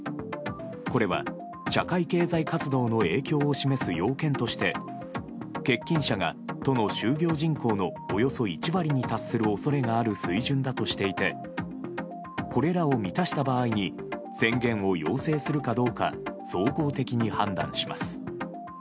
これは、社会経済活動の影響を示す要件として欠勤者が都の就業人口のおよそ１割に恐れがある水準だとしていてこれらを満たした場合に宣言を要請するかどうか総合的に判断します。